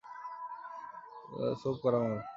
খুবই কড়া মাল।